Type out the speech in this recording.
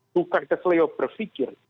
bukan keselio berpikir